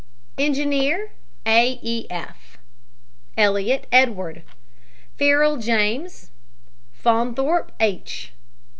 ENGINEER, A. E. F. ELLIOTT, EDWARD. FARRELL, JAMES. FAUNTHORPE, H.